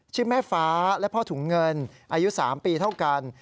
ชื่อแม่ฟ้าและพ่อถุงเงินอายุ๓ปีเท่ากัน